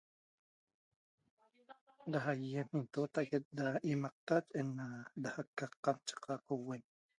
Da aiem intotaxet da imaqta ena da qaica da qamchaca